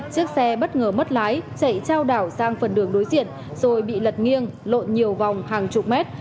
chiếc xe bất ngờ mất lái chạy trao đảo sang phần đường đối diện rồi bị lật nghiêng lộn nhiều vòng hàng chục mét